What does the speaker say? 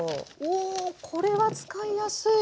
これは使いやすい。